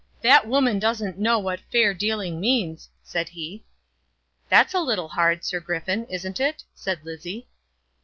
"That woman doesn't know what fair dealing means," said he. "That's a little hard, Sir Griffin, isn't it?" said Lizzie.